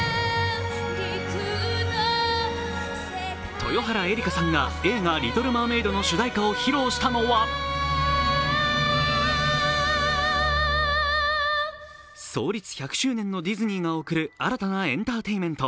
豊原江理佳さんが映画「リトル・マーメイド」の主題歌を披露したのは創立１００周年のディズニーが贈る新たなエンターテインメント！